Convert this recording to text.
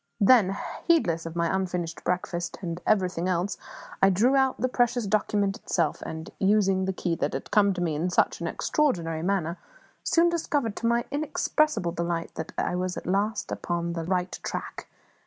Then, heedless of my unfinished breakfast and everything else, I drew out the precious document itself, and, using the key that had come to me in such an extraordinary manner, soon discovered, to my inexpressible delight, that I really was at last upon the right track.